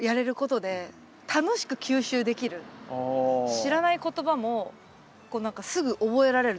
知らない言葉もこう何かすぐ覚えられる。